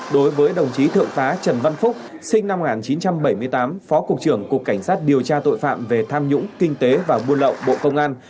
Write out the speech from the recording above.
đối với đồng chí thượng tá trần văn phúc sinh năm một nghìn chín trăm bảy mươi tám phó cục trưởng cục cảnh sát điều tra tội phạm về tham nhũng kinh tế và buôn lậu bộ công an